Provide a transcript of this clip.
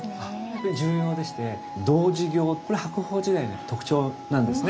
これ重要でして童子形これ白鳳時代の特徴なんですね。